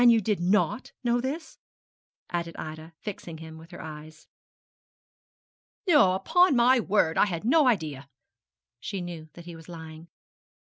you did not know this?' added Ida, fixing him with her eyes. 'No, upon my word. I had no idea!' She knew that he was lying.